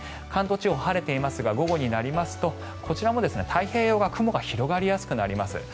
関東地方は晴れていますが午後になりますとこちらも太平洋側は雲が広がりやすくなります。